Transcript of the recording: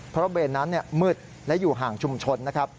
เพราะเบนนั้นมืดและอยู่ห่างชุมชนนะครับ